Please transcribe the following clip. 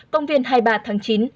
công viên hai mươi ba tháng chín